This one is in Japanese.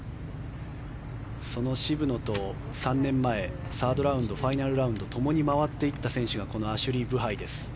その渋野と３年前サードラウンドファイナルラウンドともに回っていった選手がこのアシュリー・ブハイです。